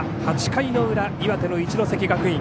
８回の裏、岩手の一関学院。